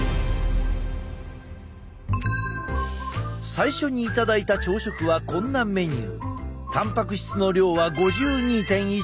最初に頂いた朝食はこんなメニュー。